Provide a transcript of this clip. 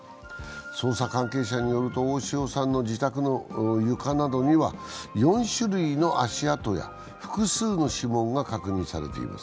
捜査関係者によると、大塩さんの自宅の床などには４種類の足跡や複数の指紋が確認されています。